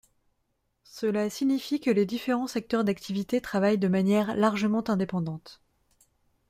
Cela signifie que les différents secteurs d’activité travaillent de manière largement indépendante.